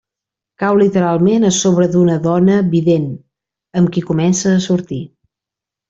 Cau literalment a sobre d'una dona, vident, amb qui comença a sortir.